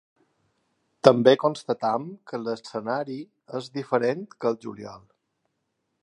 També constatem que l’escenari és diferent que al juliol.